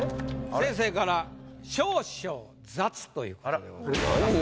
先生から「少々雑！」ということでございます。